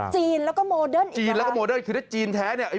จีนแล้วก็โมเดิร์นจีนแล้วก็โมเดิร์นคือถ้าจีนแท้เนี่ย